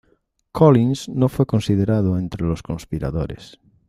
Collins no fue considerado entre los conspiradores.